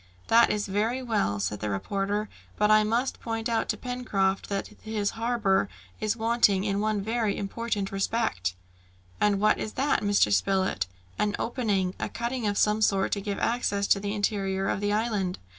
"That is all very well," then said the reporter; "but I must point out to Pencroft that his harbour is wanting in one very important respect!" "And what is that, Mr. Spilett?" "An opening, a cutting of some sort, to give access to the interior of the island.